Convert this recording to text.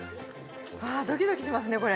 ああドキドキしますねこれ。